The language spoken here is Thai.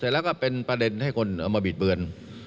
แล้วก็เป็นประเด็นให้คนเอามาบิดเบือน